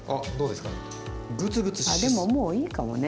でももういいかもね。